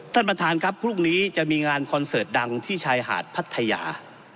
ท่านประธานครับพรุ่งนี้จะมีงานคอนเสิร์ตดังที่ชายหาดพัทยา